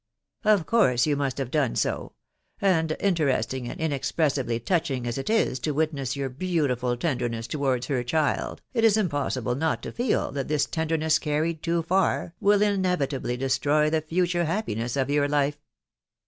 u Of course you must have done so ; and, interesting and inexpressibly touching as it is to witness your beautiful ten derness .towards her child, it is impossible not to feel that this tenderness carried too far wilL inevitably destroy the future happiness of your life.